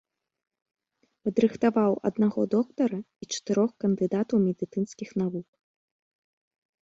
Падрыхтаваў аднаго доктара і чатырох кандыдатаў медыцынскіх навук.